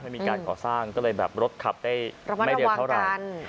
ไม่มีการก่อสร้างก็เลยแบบรถขับได้ไม่เร็วเท่าไหร่